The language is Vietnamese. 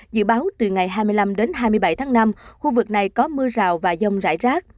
dự báo từ ngày hai mươi năm đến hai mươi bảy tháng năm khu vực này có mưa rào và dông rải rác